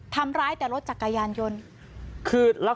ทำร้ายแต่รถจักรยานยนต์